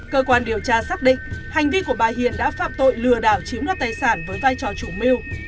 cơ quan điều tra xác định hành vi của bà hiền đã phạm tội lừa đảo chiếm đoạt tài sản với vai trò chủ mưu